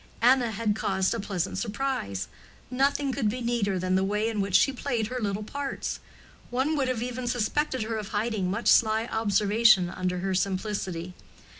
Anna had caused a pleasant surprise; nothing could be neater than the way in which she played her little parts; one would even have suspected her of hiding much sly observation under her simplicity.